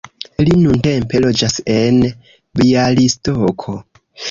Li nuntempe loĝas en Bjalistoko.